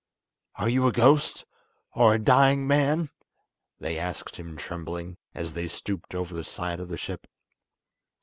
"Are you a ghost, or a dying man?" they asked him trembling, as they stooped over the side of the ship.